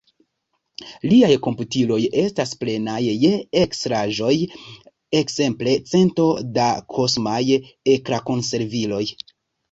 Liaj komputiloj estaj plenaj je ekstraĵoj, ekzemple cento da kosmaj ekrankonserviloj!